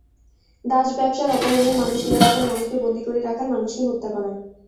দাস ব্যবসার, অপহরণের, মানুষ কেনাবেচার, মানুষকে বন্দী করে রাখার, মানুষকে হত্যা করার।